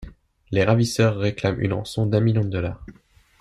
Les ravisseurs réclament une rançon d'un million de dollars.